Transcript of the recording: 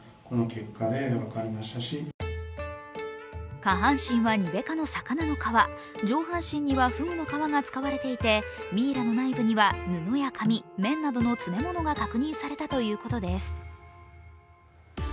下半身はニベ科の魚の皮、上半身にはフグの皮が使われていてミイラの内部には、布や紙綿などの詰め物が確認されたということです。